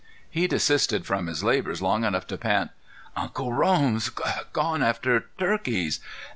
He desisted from his labors long enough to pant: "Uncle Rome's gone after turkeys.